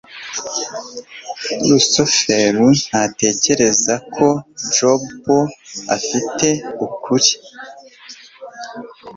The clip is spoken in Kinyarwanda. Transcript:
rusufero ntatekereza ko jabo afite ukuri